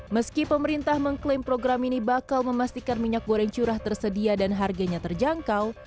meski pemerintah mengklaim program ini bakal memastikan minyak goreng curah tersedia dan harganya terjangkau